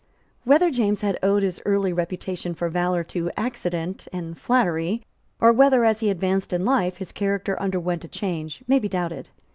Whether James had owed his early reputation for valour to accident and flattery, or whether, as he advanced in life, his character underwent a change, may be doubted.